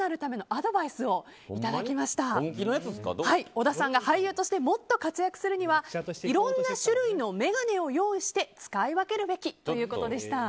小田さんが俳優としてもっと活躍するにはいろんな種類の眼鏡を用意して使い分けるべきということでした。